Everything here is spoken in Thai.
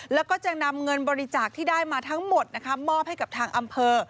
แล้วก็จะนำเงินบริจาคที่ได้มาทั้งหมดนะคะมอบให้กับทางอำเภอ